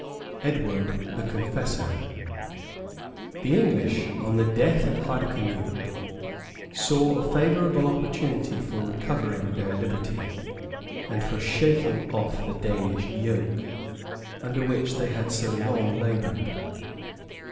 EDWARD THE CONFESSOR {1041.} The English, on the death of Hardicanute, saw a favorable opportunity for recovering their liberty, and for shaking off the Danish yoke, under which they had so long labored.